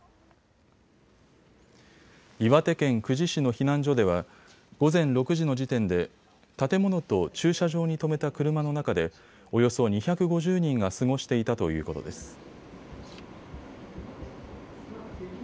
岩手県久慈市の避難所では午前６時の時点で建物と駐車場に止めた車の中でおよそ２５０人が過ごしていたということです。